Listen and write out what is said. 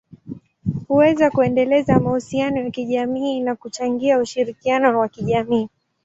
huweza kuendeleza mahusiano ya kijamii na kuchangia ushirikiano wa kijamii.